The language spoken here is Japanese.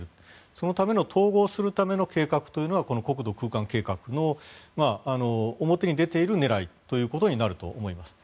そのための統合するための計画というのがこの国土空間計画の表に出ている狙いということになると思います。